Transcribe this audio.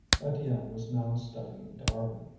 Étienne was now studying Darwin.